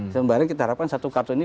sama barang kita harapkan satu kartu ini